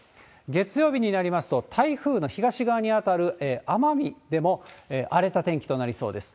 月曜日になりますと、台風の東側に当たる奄美でも、荒れた天気となりそうです。